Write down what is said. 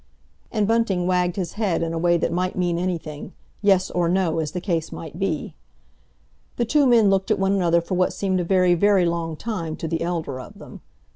And Bunting wagged his head in a way that might mean anything—yes or no, as the case might be. The two men looked at one another for what seemed a very, very long time to the elder of them.